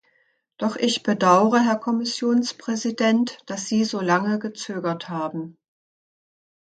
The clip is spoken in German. Doch ich bedaure, Herr Kommissionspräsident, dass Sie so lange gezögert haben.